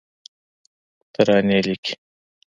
ترانې لیکې